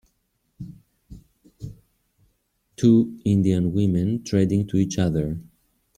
Two Indian women treading to each other.